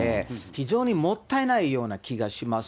非常にもったいないような気がします。